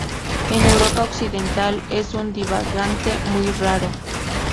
En Europa Occidental es un divagante muy raro.